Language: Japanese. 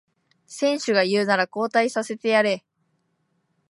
選手が言うなら交代させてやれ